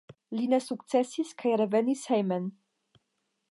Li ne sukcesis kaj revenis hejmen.